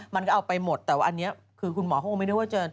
มันก็เอาไปหมดแต่ว่าอันนี้คือคุณหมอเขาก็ไม่นึกว่าจะ